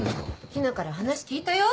陽菜から話聞いたよ。